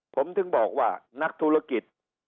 ผมถึงบอกว่านักธุรกิจ